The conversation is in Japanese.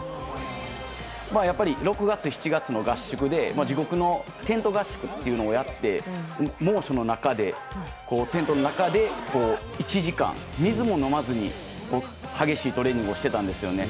やっぱり、６月７月の合宿で地獄のテント合宿というのをやって猛暑の中でテントの中で、１時間水も飲まずに激しいトレーニングをしていたんですね。